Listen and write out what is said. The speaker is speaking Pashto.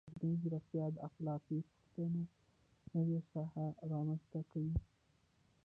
مصنوعي ځیرکتیا د اخلاقي پوښتنو نوې ساحه رامنځته کوي.